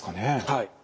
はい。